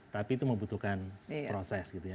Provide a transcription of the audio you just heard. tapi itu membutuhkan proses gitu ya